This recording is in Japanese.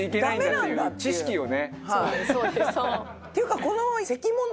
っていうかこの。